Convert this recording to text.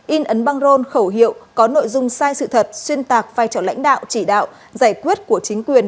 in ấn băng rôn khẩu hiệu có nội dung sai sự thật xuyên tạc vai trò lãnh đạo chỉ đạo giải quyết của chính quyền